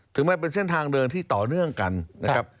ถึงมันเป็นเส้นทางเดินที่ต่อเนื่องกันนะครับ